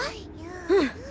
うん。